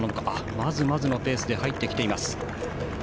まずまずのペースで入っています。